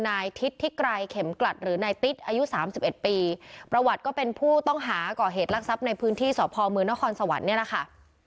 นายทิศทิไกรเข็มกลัดหรือนายติ๊ดอายุสามสิบเอ็ดปีประวัติก็เป็นผู้ต้องหาก่อเหตุลักษัพในพื้นที่สพมนครสวรรค์เนี่ยแหละค่ะ